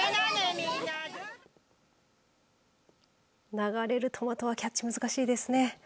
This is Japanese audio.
流れるトマトはキャッチ難しいですね。